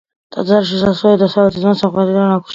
ტაძარს შესასვლელი დასავლეთიდან და სამხრეთიდან აქვს.